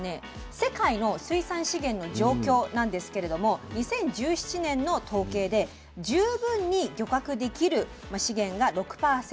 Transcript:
世界の水産資源の状況なんですけれども２０１７年の統計で十分に漁獲できる資源が６％。